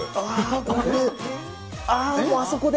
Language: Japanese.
あそこで。